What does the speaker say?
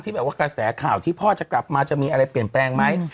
แบบว่ากระแสข่าวที่พ่อจะกลับมาจะมีอะไรเปลี่ยนแปลงไหม